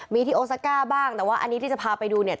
มีที่โอซาก้าบ้างแต่ว่าอันนี้ที่จะพาไปดูเนี่ย